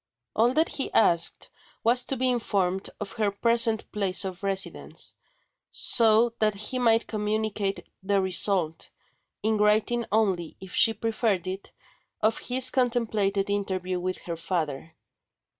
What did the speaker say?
All that he asked was to be informed of her present place of residence, so that he might communicate the result in writing only if she preferred it of his contemplated interview with her father.